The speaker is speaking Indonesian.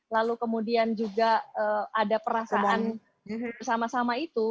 lalu kemudian juga ada perasaan bersama sama itu